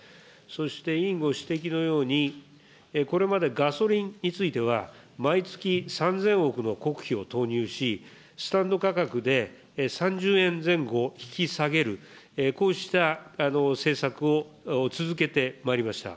そして委員ご指摘のように、これまでガソリンについては、毎月３０００億の国費を投入し、スタンド価格で３０円前後引き下げる、こうした政策を続けてまいりました。